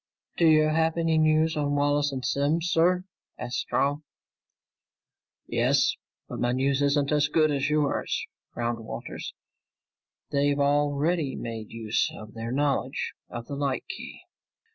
"Do you have any news on Wallace and Simms, sir?" asked Strong. "Yes, but my news isn't as good as yours," frowned Walters. "They've already made use of their knowledge of the light key.